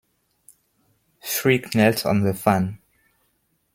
Three knelt on the fan.